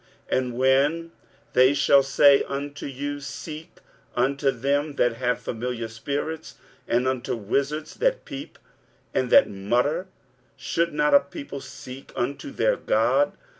23:008:019 And when they shall say unto you, Seek unto them that have familiar spirits, and unto wizards that peep, and that mutter: should not a people seek unto their God?